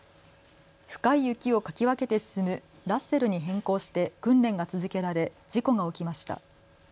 深い雪をかき分けて進むラッセルに変更して訓練が続けられ事故が起きました。